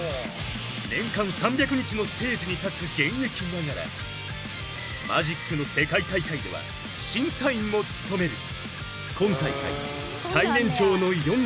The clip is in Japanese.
［年間３００日のステージに立つ現役ながらマジックの世界大会では審査員も務める］